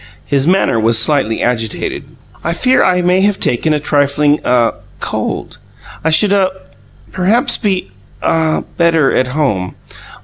His manner was slightly agitated. "I fear I may have taken a trifling ah cold. I should ah perhaps be ah better at home.